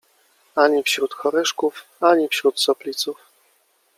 Ani wśród Horeszków, ani wśród Sopliców